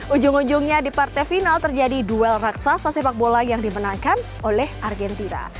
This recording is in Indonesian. ujung ujungnya di partai final terjadi duel raksasa sepak bola yang dimenangkan oleh argentina